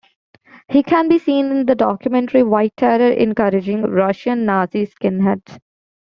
He can be seen in the documentary "White Terror" encouraging Russian Nazi-Skinheads.